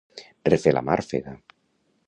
Refer la màrfega.